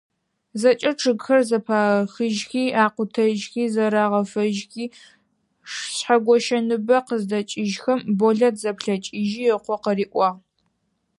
ЗэкӀэ чъыгхэр зэпахыжьхи, акъутэжьхи, зэрагъэфэжьхи, Шъхьэгощэ ныбэ къыздэкӀыжьхэм, Болэт зэплъэкӀыжьи ыкъо къыриӀуагъ.